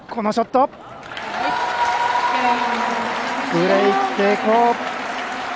ブレーク成功。